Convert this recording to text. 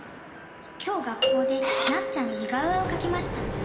「今日学校でなっちゃんの似顔絵を描きました」